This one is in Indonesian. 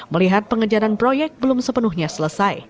melihat pengejaran proyek belum sepenuhnya selesai